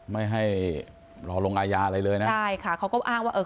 ไม่ให้รอลงอาญาอะไรเลยนะใช่ค่ะเขาก็อ้างว่าเออ